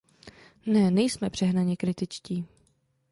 Ne, nejsme přehnaně kritičtí.